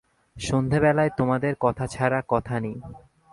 সন্ধেবেলায় তোমাদের কথা ছাড়া কথা নেই।